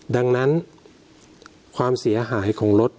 ดังนั้นความเสียหายของรถ